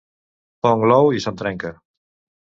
Ponc l'ou i se'm trenca.